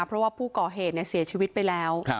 เพราะว่าผู้ก่อเหตุเสียชีวิตไปแล้ว